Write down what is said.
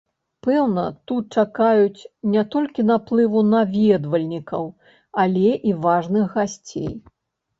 Пэўна, тут чакаюць не толькі наплыву наведвальнікаў, але і важных гасцей.